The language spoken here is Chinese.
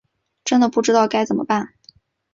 真的不知道该怎么办